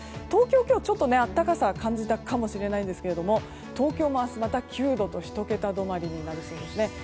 東京、今日はちょっと暖かさを感じたかもしれないですが東京も明日また９度と１桁止まりになりそうですね。